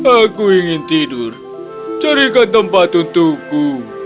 aku ingin tidur carikan tempat untukku